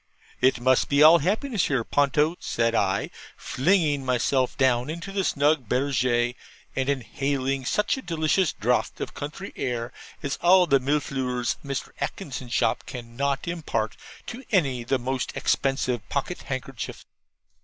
'It must be all happiness here, Ponto,' said I, flinging myself down into the snug BERGERE, and inhaling such a delicious draught of country air as all the MILLEFLEURS of Mr. Atkinson's shop cannot impart to any the most expensive pocket handkerchief.